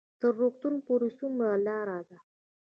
تر روغتون پورې څومره لار ده؟